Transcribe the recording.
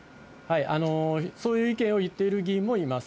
そういう意見を言っている議員もいます。